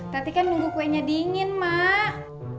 tapi kan nunggu kuenya dingin mak